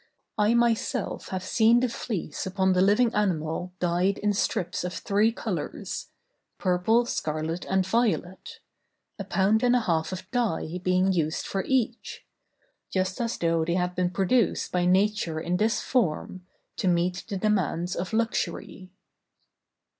I myself have seen the fleece upon the living animal dyed in strips of three colors, purple, scarlet, and violet,—a pound and a half of dye being used for each,—just as though they had been produced by Nature in this form, to meet the demands of luxury.